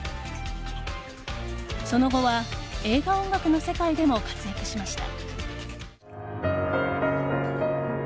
その後は映画音楽の世界でも活躍しました。